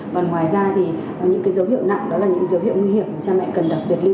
và ngoài ra thì những cái dấu hiệu nặng đó là những dấu hiệu nguy hiểm cha mẹ cần đặc biệt lưu ý